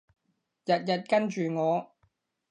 日日跟住我